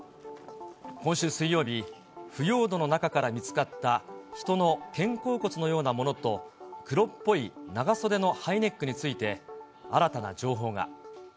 今週水曜日、腐葉土の中から見つかった人の肩甲骨のようなものと、黒っぽい長袖のハイネックについて、新たな情報が。